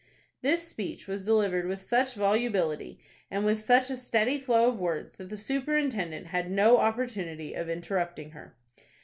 This speech was delivered with such volubility, and with such a steady flow of words, that the superintendent had no opportunity of interrupting her.